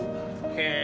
へえ。